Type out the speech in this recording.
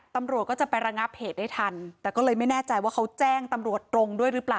ตำรวจก็จะไประงับเหตุได้ทันแต่ก็เลยไม่แน่ใจว่าเขาแจ้งตำรวจตรงด้วยหรือเปล่า